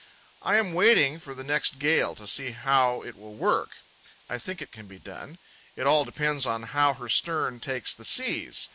I am waiting for the next gale to see how it will work. I think it can be done. It all depends on how her stern takes the seas.